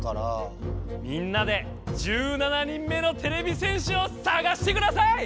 みんなで１７人目のてれび戦士をさがしてください！